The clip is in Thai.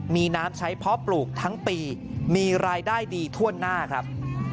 มีน้ำใช้เพาะปลูกทั้งปีมีรายได้ดีถ้วนหน้าครับ